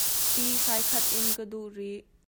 Ti hrai khat in ka duh rih.